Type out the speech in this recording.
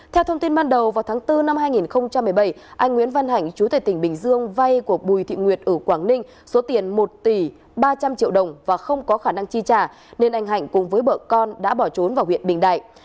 theo thông tin ban đầu vào tháng bốn năm hai nghìn một mươi bảy anh nguyễn văn hạnh chú thầy tỉnh bình dương vay của bùi thị nguyệt ở quảng ninh số tiền một tỷ ba trăm linh triệu đồng và không có khả năng chi trả nên anh hạnh cùng với vợ con đã bỏ trốn vào huyện bình đại